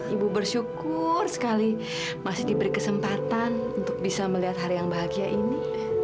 ibu bersyukur sekali masih diberi kesempatan untuk bisa melihat hari yang bahagia ini